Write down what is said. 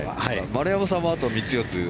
丸山さんはあと３つ４つ。